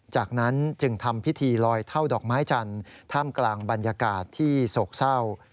จากนั้นจึงทำพิธีลอยเท่าดอกไม้จันทร์ท่ามกลางบรรยากาศที่โศกเศร้า